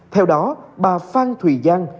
theo đó bà phan thùy giang